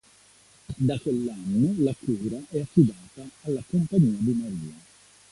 Da quell'anno la cura è affidata alla Compagnia di Maria.